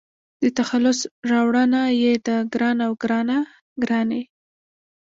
د تخلص راوړنه يې د --ګران--او --ګرانه ګراني